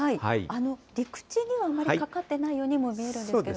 陸地にはあまりかかってないようにも見えるんですけど。